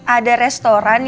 ada restoran yang ada di sana